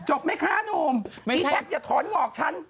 จบมั้ยคะหนุ่มพี่แท็กส์อย่าถอนหลอกฉัน